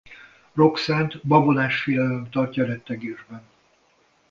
Roxanne-t babonás félelem tartja rettegésben.